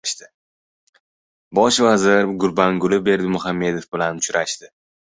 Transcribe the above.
Bosh vazir Gurbanguli Berdimuhamedov bilan uchrashdi